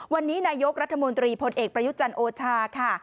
วันนี้นายกรัฐมนตรีพลเอกประยุจันทร์โอชาค่ะ